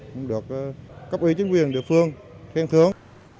cũng được cấp ưu chính quyền địa phương khen thương